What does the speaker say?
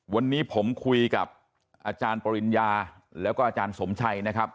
วันนี้ผมคุยกับอาจารย์ปริญญาแล้วก็อาจารย์สมชัยนะครับ